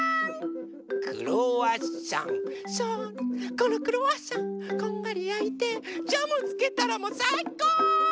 このクロワッサンこんがりやいてジャムつけたらもうさいこう！